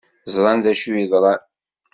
Ẓran d acu yeḍran.